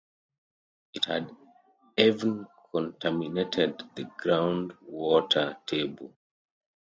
It had even contaminated the groundwater table.